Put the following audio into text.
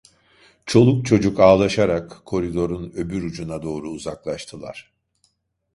Çoluk çocuk ağlaşarak koridorun öbür ucuna doğru uzaklaştılar.